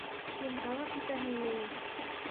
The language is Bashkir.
— Һин тағы китәһеңме ни?